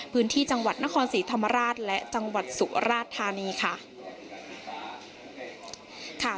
พื้นที่จังหวัดนครศรีธรรมราชและจังหวัดสุราธานีค่ะ